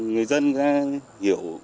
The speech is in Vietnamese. người dân ra hiểu